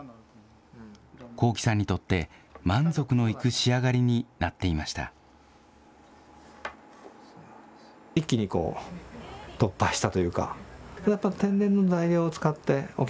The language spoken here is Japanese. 幸喜さんにとって、満足のいく仕上がりになっていました。